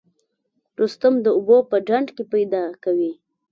رستم د اوبو په ډنډ کې پیدا کوي.